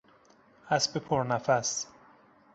اسب پر نفس